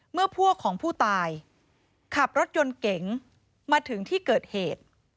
เมื่อพวกของผู้ตายขับรถยนต์เก๋งมาถึงที่เกิดเหตุ